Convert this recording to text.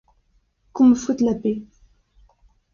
qu'on me foute la paix